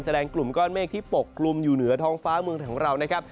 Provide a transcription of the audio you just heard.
กลุ่มก้อนเมฆที่ปกกลุ่มอยู่เหนือท้องฟ้าเมืองของเรานะครับ